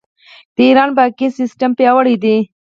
د ایران بانکي سیستم پیاوړی دی.